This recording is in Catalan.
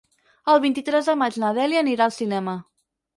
El vint-i-tres de maig na Dèlia anirà al cinema.